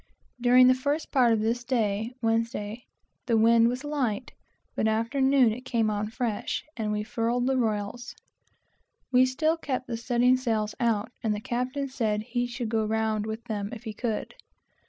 During the first part of this day (Wednesday) the wind was light, but after noon it came on fresh, and we furled the royals. We still kept the studding sails out, and the captain said he should go round with them, if he could.